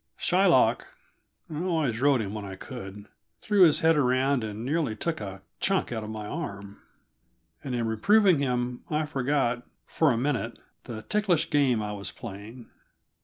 Shylock I always rode him when I could threw his head around and nearly took a chunk out of my arm, and in reproving him I forgot, for a minute, the ticklish game I was playing.